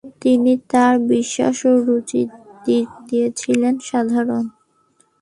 তিনি তার বিশ্বাস ও রুচির দিক দিয়ে ছিলেন সাধারণ।